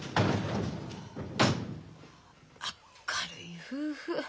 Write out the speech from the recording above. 明るい夫婦。